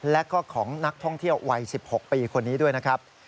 และก็ของนักท่องเที่ยววัย๑๖ปีคนนี้ด้วยนะครับ